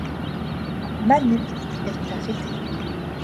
Manu est arrêté.